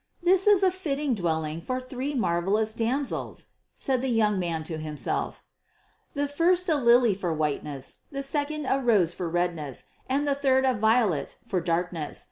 "This is a fitting dwelling for three marvellous damsels," said the young man to himself, "the first a lily for whiteness, the second a rose for redness, and the third a violet for darkness.